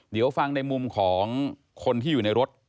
เดี๋ยวฟังในมุมของคนที่อยู่ในรถ